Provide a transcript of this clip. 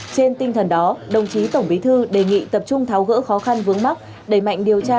trên tinh thần đó đồng chí tổng bí thư đề nghị tập trung tháo gỡ khó khăn vướng mắc đẩy mạnh điều tra